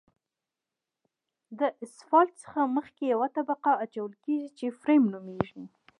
د اسفالټ څخه مخکې یوه طبقه اچول کیږي چې فریم نومیږي